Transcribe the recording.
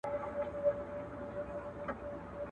پر غزل مي دي جاګیر جوړ کړ ته نه وې.